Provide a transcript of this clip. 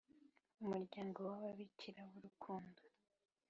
Umuryango w ababikira b urukundo